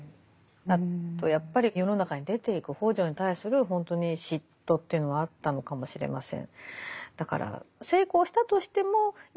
あとやっぱり世の中に出ていく北條に対する本当に嫉妬というのはあったのかもしれません。